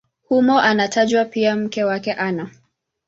Humo anatajwa pia mke wake Ana.